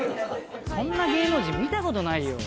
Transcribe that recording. そんな芸能人見たことないよ。